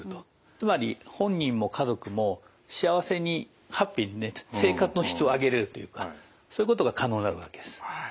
つまり本人も家族も幸せにハッピーになって生活の質を上げれるというかそういうことが可能になるわけです。